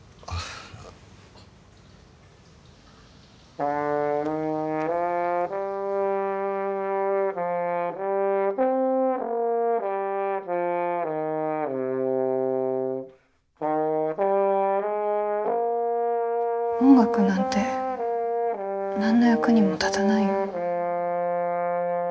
音楽なんて何の役にも立たないよ。